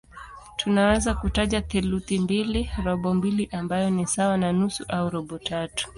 Tunaweza kutaja theluthi mbili, robo mbili ambayo ni sawa na nusu au robo tatu.